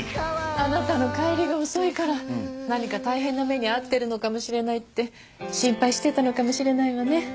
あなたの帰りが遅いから何か大変な目に遭ってるのかもしれないって心配してたのかもしれないわね。